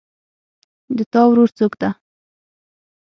د تا ورور څوک ده